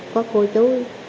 có cô chú